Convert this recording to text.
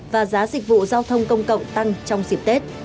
và giá dịch vụ giao thông công cộng tăng trong dịp tết